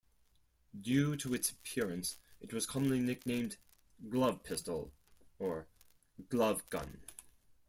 Due to its appearance, it was commonly nicknamed "Glove Pistol" or "Glove Gun".